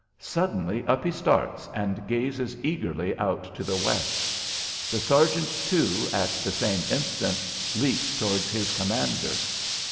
Suddenly up he starts and gazes eagerly out to the west. The sergeant, too, at the same instant, leaps towards his commander.